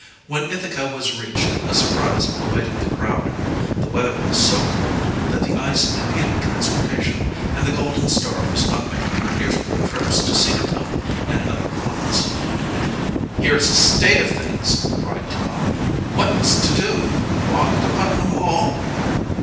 When Ithaca was reached a surprise awaited the crowd. The weather was so cold that the ice impeded transportation, and the Golden Star was not making her usual trips to Cedarville and other points. "Here's a state of things!" cried, Tom. "What's to do walk to Putnam Hall?"